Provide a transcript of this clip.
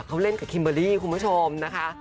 เขาเล่นกับคิมเบอร์รี่คุณผู้ชมนะคะ